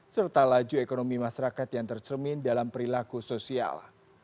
serta laju ekonomi masyarakat yang tercermin dalam perilaku sosial